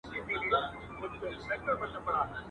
یوهډوکی یې د پښې وو که د ملا وو.